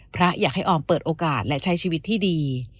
อยากให้ออมเปิดโอกาสและใช้ชีวิตที่ดี